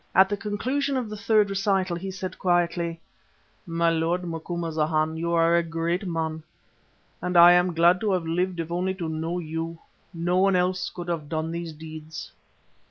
At the conclusion of the third recital he said quietly: "My lord Macumazana, you are a great man, and I am glad to have lived if only to know you. No one else could have done these deeds."